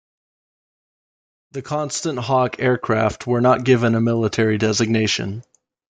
The Constant Hawk aircraft were not given a military designation.